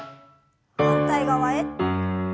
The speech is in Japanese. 反対側へ。